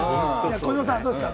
児嶋さん、どうですか？